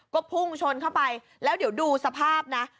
ก็พุ่งชนเข้าไปแล้วเดี๋ยวดูสภาพนะ